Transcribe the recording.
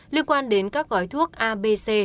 liên quan đến các gói thuốc abc